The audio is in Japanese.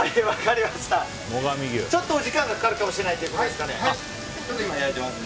ちょっとお時間がかかるかもしれない今、焼いていますので。